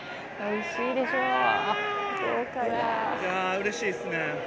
うれしいっすね。